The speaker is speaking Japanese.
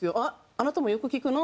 「あなたもよく聴くの？」